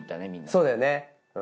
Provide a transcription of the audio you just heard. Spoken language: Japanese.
そうだよね。